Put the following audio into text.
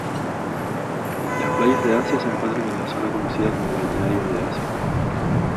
Las playas de Asia se encuentran en la zona conocida como Balneario de Asia.